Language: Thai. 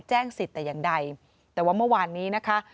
สิทธิ์แต่อย่างใดแต่ว่าเมื่อวานนี้นะคะ